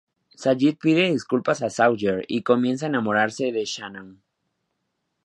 Sayid pide disculpas a Sawyer y comienza a enamorarse de Shannon.